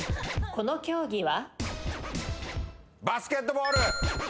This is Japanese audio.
この競技は？